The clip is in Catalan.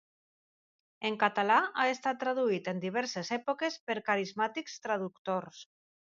En català ha estat traduït en diverses èpoques i per carismàtics traductors.